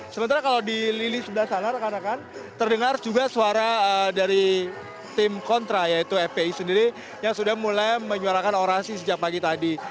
sementara kalau di lili sebelah sana rekan rekan terdengar juga suara dari tim kontra yaitu fpi sendiri yang sudah mulai menyuarakan orasi sejak pagi tadi